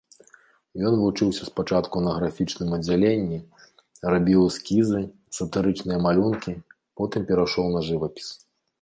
Ён вучыўся спачатку на графічным аддзяленні, рабіў эскізы, сатырычныя малюнкі, потым перайшоў на жывапіс.